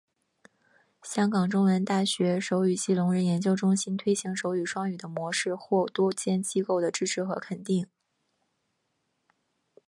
香港中文大学手语及聋人研究中心推行手语双语的模式获多间机构的支持和肯定。